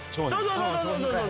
そうそうそうそう。